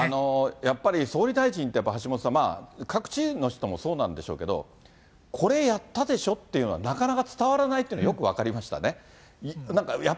やっぱり、総理大臣って橋下さん、各知事の人もそうなんでしょうけど、これやったでしょっていうのがなかなか伝わらないっていうのはよく分かりましたね。